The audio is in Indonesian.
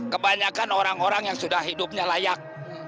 kebanyakan orang orang yang sudah hidupnya layak